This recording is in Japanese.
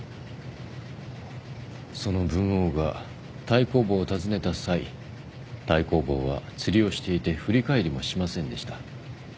その文王が太公望を訪ねた際太公望は釣りをしていて振り返りもしませんでした。